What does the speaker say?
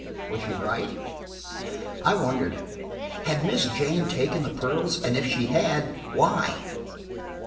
Was she right? I wondered. Had Miss Jane taken the pearls, and if she had, why?